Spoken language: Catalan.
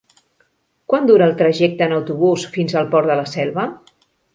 Quant dura el trajecte en autobús fins al Port de la Selva?